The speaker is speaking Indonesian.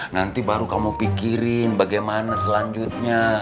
nanti baru kamu pikirin bagaimana selanjutnya